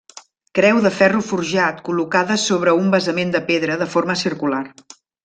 Creu de ferro forjat col·locada sobre un basament de pedra de forma circular.